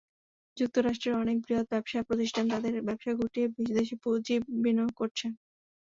যুক্তরাষ্ট্রের অনেক বৃহৎ ব্যবসা প্রতিষ্ঠান তাদের ব্যবসা গুটিয়ে বিদেশে পুঁজি বিনিয়োগ করছে।